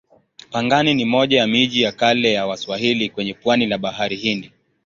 Pangani ni moja ya miji ya kale ya Waswahili kwenye pwani la Bahari Hindi.